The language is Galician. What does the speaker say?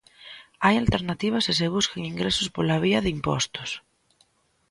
Hai alternativa se se buscan ingresos pola vía de impostos.